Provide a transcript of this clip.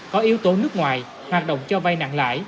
có yếu tố nước ngoài hoạt động cho vay nặng lãi